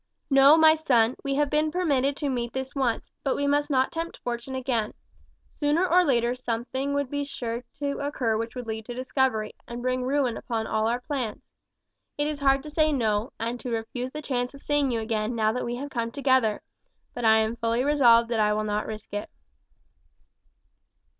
"No, my son, we have been permitted to meet this once, but we must not tempt fortune again. Sooner or later something would be sure to occur which would lead to discovery, and bring ruin upon all our plans. It is hard to say no, and to refuse the chance of seeing you again now that we have come together, but I am fully resolved that I will not risk it."